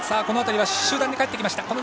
この辺りは集団で帰ってきました。